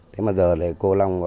thế mà giờ lại cô long